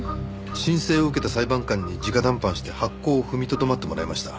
申請を受けた裁判官に直談判して発行を踏みとどまってもらいました。